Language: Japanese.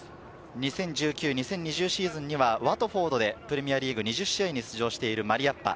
２０１９、２０２０シーズンにはワトフォードでプレミアリーグ２０試合に出場しているマリアッパ。